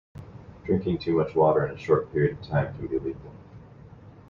Drinking too much water in a short period of time can be lethal.